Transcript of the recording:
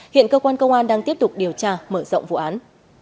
hiện cơ quan công an đang tiếp tục điều tra mở rộng vụ án